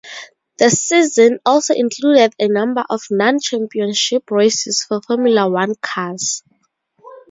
The season also included a number of non-championship races for Formula One cars.